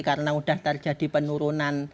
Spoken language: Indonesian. karena sudah terjadi penurunan